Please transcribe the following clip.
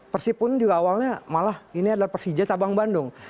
persib pun juga awalnya malah ini adalah persija cabang bandung